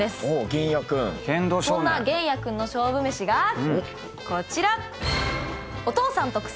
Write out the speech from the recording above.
そんな弦矢君の勝負めしがこちら。